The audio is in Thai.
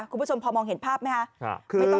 คุณผู้ชมพอมองเห็นภาพไหมคะ